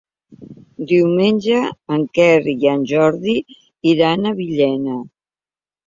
Diumenge en Quer i en Jordi iran a Villena.